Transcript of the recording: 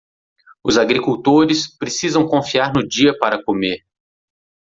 Os agricultores precisam confiar no dia para comer